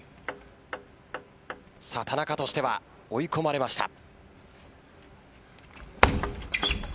田中としては追い込まれました。